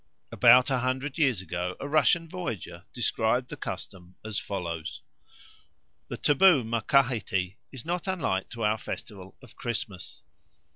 About a hundred years ago a Russian voyager described the custom as follows: "The taboo Macahity is not unlike to our festival of Christmas.